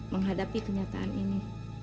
menghadapi kenyataan ini